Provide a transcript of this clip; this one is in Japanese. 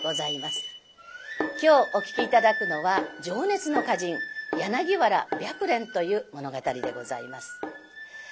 今日お聴き頂くのは「情熱の歌人柳原白蓮」という物語でございます。